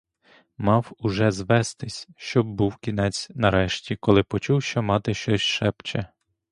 Мав уже звестись, щоб був кінець нарешті, коли почув, що мати щось шепче.